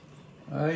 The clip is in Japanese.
「はい」